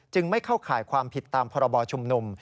ไม่เข้าข่ายความผิดตามพรบชุมนุม